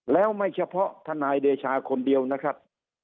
แล้วไม่เฉพาะทนายเดชาคนเดียวนะครับ